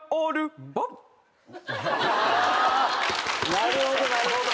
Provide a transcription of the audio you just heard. なるほどなるほど。